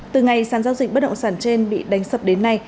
từ ngày sản giao dịch bất động sản trên bị đánh sập đến nay